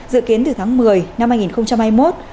dự kiến từ tháng một mươi năm hai nghìn hai mươi một